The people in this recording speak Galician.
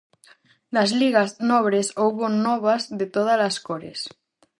Das ligas 'nobres' houbo novas de tódalas cores.